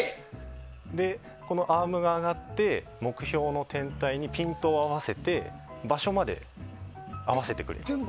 で、アームが上がって目標の天体にピントを合わせて場所まで合わせてくれます。